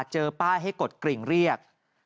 เจอป้ายให้กดกริ่งเรียก